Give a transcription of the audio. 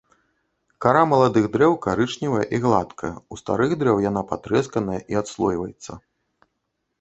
Кара маладых дрэў карычневая і гладкая, у старых дрэў яна патрэсканая і адслойвацца.